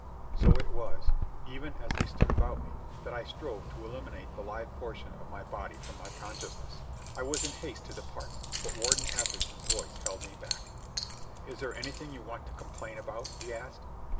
So it was, even as they stood about me, that I strove to eliminate the live portion of my body from my consciousness. I was in haste to depart, but Warden Atherton's voice held me back. "Is there anything you want to complain about?" he asked.